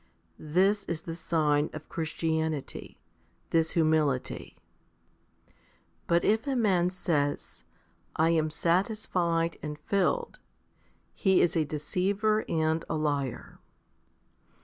This is the sign of Christianity, this humility. 38. But if a man says, " I am satisfied and filled," he is a deceiver and a liar.